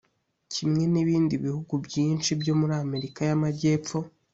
Kimwe n’ibindi bihugu byinshi byo muri Amerika y’Amajyepfo